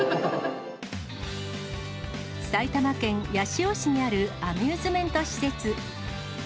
埼玉県八潮市にあるアミューズメント施設。